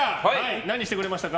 何してくれましたか？